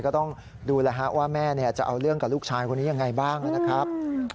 ก็ต้องดูแล้วว่าแม่จะเอาเรื่องกับลูกชายคนนี้ยังไงบ้างนะครับ